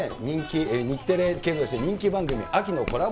日テレ系人気番組秋のコラボ